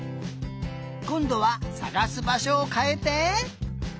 こんどはさがすばしょをかえて。